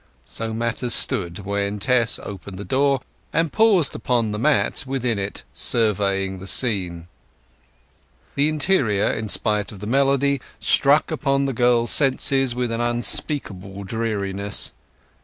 So matters stood when Tess opened the door and paused upon the mat within it, surveying the scene. The interior, in spite of the melody, struck upon the girl's senses with an unspeakable dreariness.